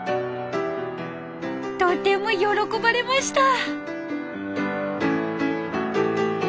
とても喜ばれました。